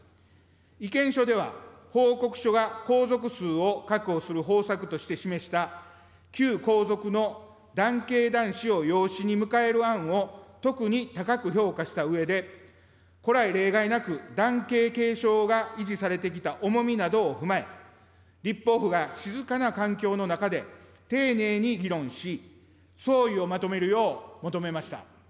意見書では、報告書が皇族数を確保する方策として示した旧皇族の男系男子を養子に迎える案を、特に高く評価したうえで、古来例外なく、男系継承が維持されてきた重みなどを踏まえ、立法府が静かな環境の中で、丁寧に議論し、総意をまとめるよう求めました。